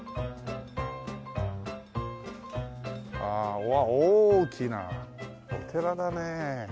ああうわっ大きなお寺だね。